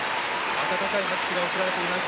温かい拍手が送られています。